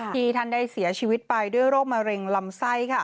ที่ท่านได้เสียชีวิตไปด้วยโรคมะเร็งลำไส้